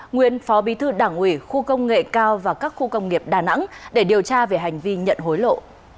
nguyên phó bí thư đảng ủy khu công nghệ cao và các khu công nghiệp đà nẵng để điều tra về hành vi nhận hối lộ